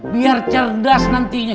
biar cerdas nantinya